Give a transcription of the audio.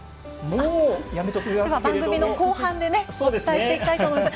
番組の後半でお伝えしたいと思います。